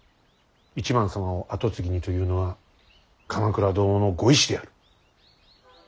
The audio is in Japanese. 一幡様を跡継ぎにというのは鎌倉殿のご意志である。